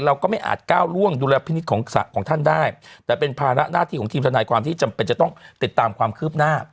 เราก็ไม่อาจก้าวล่วงดูแลพินิษฐ์ของท่านได้แต่เป็นภาระหน้าที่ของทีมทนายความที่จำเป็นจะต้องติดตามความคืบหน้า